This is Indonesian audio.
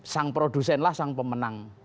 sang produsen lah sang pemenang